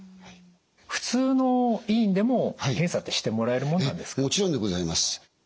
普通の医院でも検査ってしてもらえるもんなんですか？